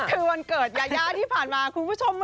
คือวันเกิดยายาที่ผ่านมาคุณผู้ชม